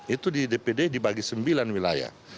itu di dpd dibagi sembilan wilayah